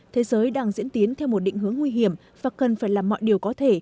thế giới đang diễn tiến theo một định hướng nguy hiểm và cần phải làm mọi điều có thể